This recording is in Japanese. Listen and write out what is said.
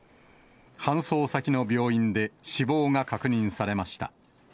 搬送先の病院で、死亡が確認されました。